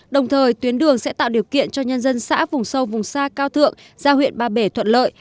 đồng thời tuyến đường sẽ tạo điều kiện cho nhân dân xã vùng sâu vùng xa cao thượng ra huyện ba bể thuận lợi